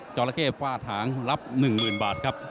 จอระเก้ฟ่าถางรับ๑๐๐๐๐บาทครับ